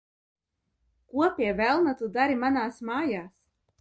Ko, pie velna, tu dari manās mājās?